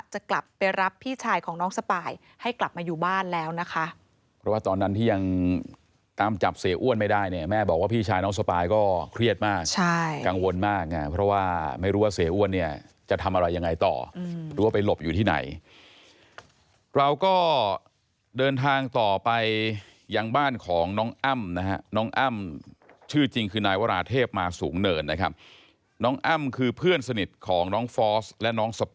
จะกลับไปรับพี่ชายของน้องสปายให้กลับมาอยู่บ้านแล้วนะคะเพราะว่าตอนนั้นที่ยังตามจับเสียอ้วนไม่ได้เนี้ยแม่บอกว่าพี่ชายน้องสปายก็เครียดมากใช่กังวลมากน่ะเพราะว่าไม่รู้ว่าเสียอ้วนเนี้ยจะทำอะไรยังไงต่อหรือว่าไปหลบอยู่ที่ไหนเราก็เดินทางต่อไปยังบ้านของน้องอ้ำนะฮะน้องอ้ำชื่อจริงคือนายวราเท